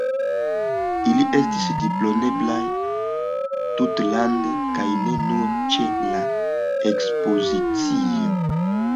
Ili estis disponeblaj tutlande, kaj ne nur ĉe la Ekspozicio.